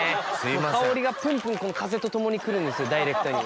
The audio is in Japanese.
香りがプンプン風と共に来るんですよダイレクトに。